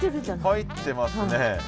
入ってますね。